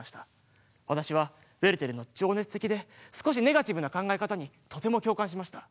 私はウェルテルの情熱的で少しネガティブな考え方にとても共感しました。